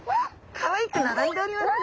かわいく並んでおりますね。